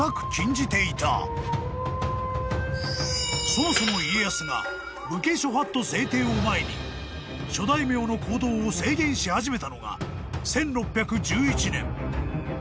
［そもそも家康が武家諸法度制定を前に諸大名の行動を制限し始めたのが１６１１年］